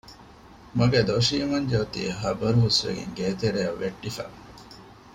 މަގޭ ދޮށީ މަންޖެ އޮތީ ޚަބަރު ހުސްވެގެން ގޭތެރެއަށް ވެއްޓިފަ